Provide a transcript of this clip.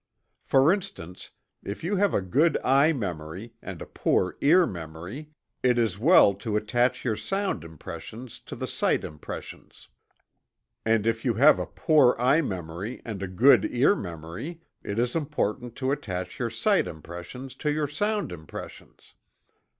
For instance, if you have a good eye memory, and a poor ear memory, it is well to attach your sound impressions to the sight impressions. And if you have a poor eye memory, and a good ear memory it is important to attach your sight impressions to your sound impressions.